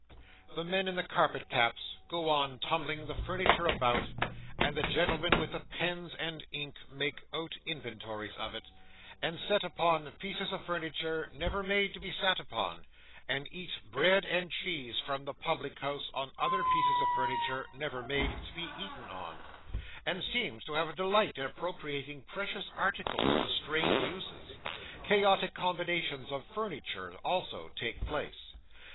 The men in the carpet caps go on tumbling the furniture about; and the gentlemen with the pens and ink make out inventories of it, and sit upon pieces of furniture never made to be sat upon, and eat bread and cheese from the public house on other pieces of furniture never made to be eaten on, and seem to have a delight in appropriating precious articles to strange uses. Chaotic combinations of furniture also take place.